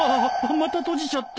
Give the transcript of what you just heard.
また閉じちゃった。